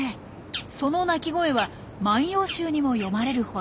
その鳴き声は万葉集にも詠まれるほど。